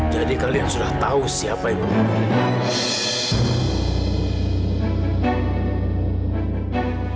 jadi kalian sudah tahu siapa yang membuat ini